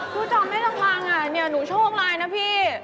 กูจำได้หลังนี่หนูโชคล้ายนะพี่